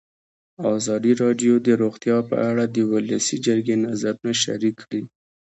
ازادي راډیو د روغتیا په اړه د ولسي جرګې نظرونه شریک کړي.